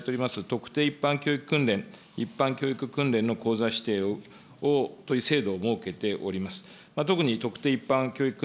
特定一般教育訓練、一般教育訓練の講座指定という制度を設けております。